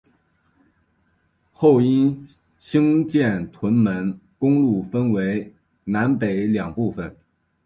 后因兴建屯门公路分为南北两部份。